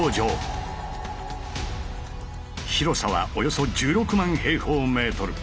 広さはおよそ１６万平方メートル。